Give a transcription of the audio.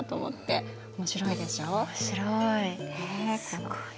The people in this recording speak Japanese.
すごい。